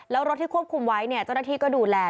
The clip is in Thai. แล้วรถที่ควบคุมไว้เนี่ยเจ้าหน้าที่ก็ดูแล